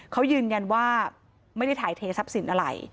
เขายืนยันว่าไม่ได้ถ่ายเททรัพย์สินอะไร